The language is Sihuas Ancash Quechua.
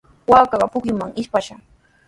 Waakaqa pukyuman ishkishqa.